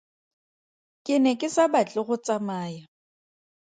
Ke ne ke sa batle go tsamaya.